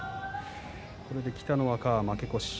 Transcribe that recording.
これで北の若は負け越し。